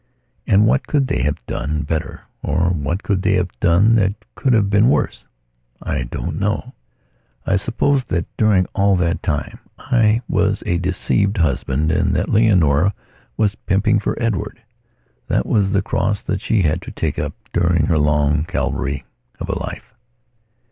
And what could they have done better, or what could they have done that could have been worse? I don't know.... I suppose that, during all that time I was a deceived husband and that Leonora was pimping for Edward. That was the cross that she had to take up during her long Calvary of a life....